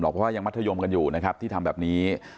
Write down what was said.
เพราะว่ายังมัธยมกันอยู่นะครับที่ทำแบบนี้